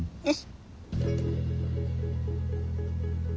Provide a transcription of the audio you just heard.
よし。